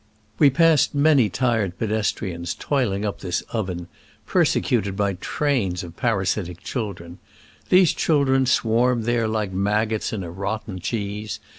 We passed many tired pedestrians toil ing up this oven, persecuted by trains of parasitic children. These children swarm there like maggots in a rotten cheese.